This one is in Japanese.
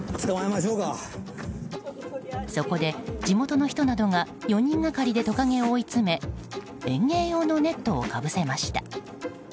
そこで、地元の人などが４人がかりでトカゲを追い詰め園芸用のネットをかぶせました。